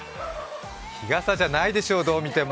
日傘じゃないでしょう、どう見ても！